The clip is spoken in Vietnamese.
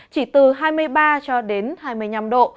chỉ từ hai mươi ba cho đến hai mươi năm độ